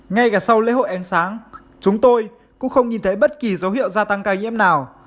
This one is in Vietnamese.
ngay cả sau lễ hội ánh sáng chúng tôi cũng không nhìn thấy bất kỳ dấu hiệu gia tăng ca nhiễm nào